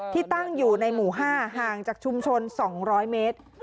ที่ตั้งอยู่ในหมู่๕ห่างจากชุมชน๒๐๐เมตร